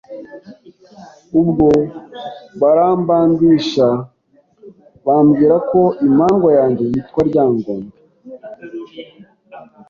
ubwo barambandisha bambwira ko imandwa yanjye yitwa ryangombe